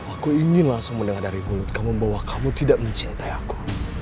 aku ingin langsung mendengar dari mulut kamu bahwa kamu tidak mencintai aku